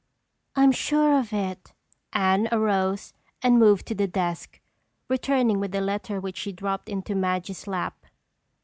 "I'm sure of it." Anne arose and moved to the desk, returning with a letter which she dropped into Madge's lap.